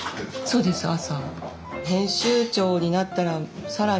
そうです朝。